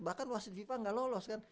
bahkan wasit fifa nggak lolos kan